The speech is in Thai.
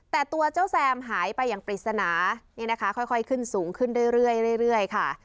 แต่ตัวเจ้าแซมหายไปอย่างปริศนานี่นะคะค่อยค่อยขึ้นสูงขึ้นเรื่อยเรื่อยเรื่อยค่ะ